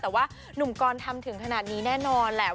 แต่ว่าหนุ่มกรทำถึงขนาดนี้แน่นอนแหละ